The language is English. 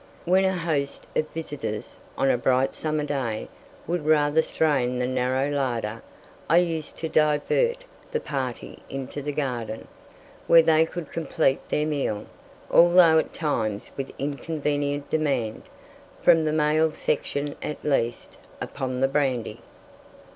When a host of visitors, on a bright summer day, would rather strain the narrow larder, I used to divert the party into the garden, where they could complete their meal, although at times with inconvenient demand, from the male section at least, upon the brandy.